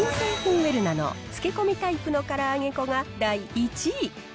ウェルナの漬け込みタイプのから揚げ粉が第１位。